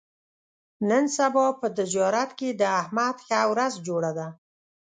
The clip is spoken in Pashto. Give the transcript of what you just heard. نن سبا په تجارت کې د احمد ښه ورځ جوړه ده.